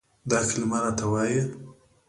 دا کلمه راته وايي،